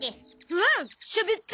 おお！しゃべった！